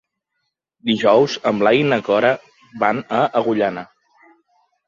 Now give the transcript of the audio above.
Dijous en Blai i na Cora van a Agullana.